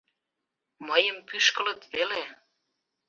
Мыйым пӱшкылыт веле!